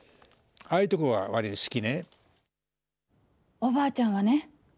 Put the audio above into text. おばあちゃんはね